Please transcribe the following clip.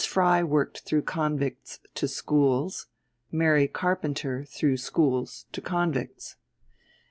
Fry worked through convicts to schools; Mary Carpenter through schools to convicts.